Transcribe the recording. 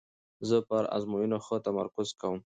زه پر آزموینو ښه تمرکز کوم.